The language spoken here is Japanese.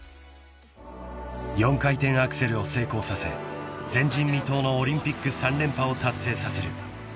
［４回転アクセルを成功させ前人未到のオリンピック３連覇を達成させる］